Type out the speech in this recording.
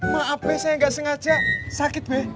maaf bek saya gak sengaja sakit bek